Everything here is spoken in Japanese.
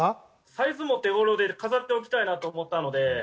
サイズも手頃で飾っておきたいなと思ったので。